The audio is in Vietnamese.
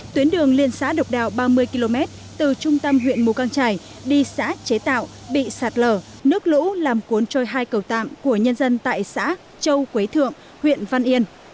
tuyến đường liên xã độc đào ba mươi km từ trung tâm huyện mù căng trải đi xã chế tạo bị sạt lở nước lũ làm cuốn trôi hai cầu tạm của nhân dân tại xã châu quế thượng huyện văn yên